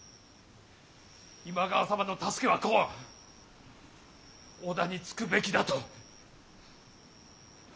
今川様の助けは来ん織田につくべきだと。